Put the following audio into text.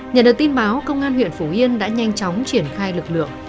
nhận được tin báo công an huyện phủ yên đã nhanh chóng triển khai lực lượng